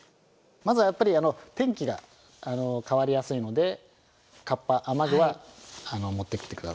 まずはやっぱり天気が変わりやすいのでカッパ雨具は持ってきてください。